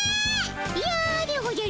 やでおじゃる。